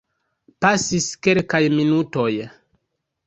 Pasis kelkaj minutoj.